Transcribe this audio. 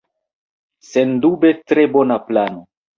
Sendube tre bona plano!